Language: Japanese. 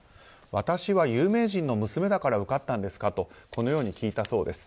私は有名人の娘だから受かったんですかとこのように聞いたそうです。